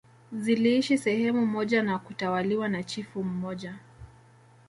Ziliishi sehemu moja na kutawaliwa na chifu mmoja